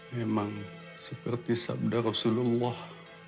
memang seperti sabda rasulullah